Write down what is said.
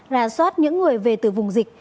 ra soát những người về từ vùng dịch